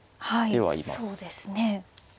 そうですね。